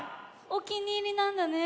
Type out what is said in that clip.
おきにいりなんだね。